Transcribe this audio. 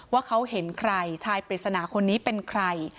ว่าเขาเห็นใครชายปริศนาคนนี้เป็นใคร